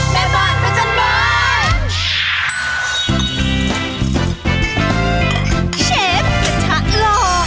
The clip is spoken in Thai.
แม่บอลกระทานบอล